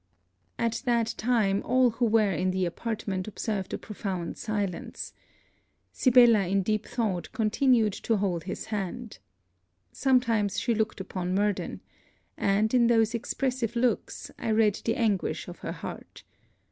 At that time all who were in the apartment observed a profound silence. Sibella in deep thought continued to hold his hand. Sometimes she looked upon Murden; and, in those expressive looks, I read the anguish of her heart.